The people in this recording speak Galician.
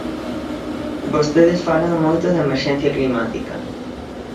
Vostedes falan moito da emerxencia climática.